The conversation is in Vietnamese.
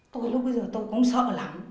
tôi lúc bây giờ tôi cũng sợ lắm